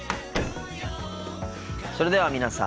それでは皆さん